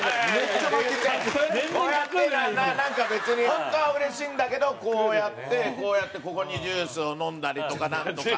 本当はうれしいんだけどこうやってこうやってここにジュースを飲んだりとかなんとか。